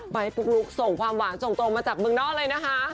ให้ปุ๊กลุ๊กส่งความหวานส่งตรงมาจากเมืองนอกเลยนะคะ